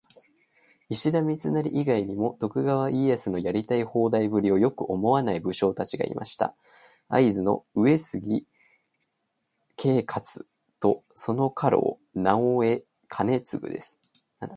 石田三成以外にも、徳川家康のやりたい放題ぶりをよく思わない武将達がいました。会津の「上杉景勝」とその家老「直江兼続」です。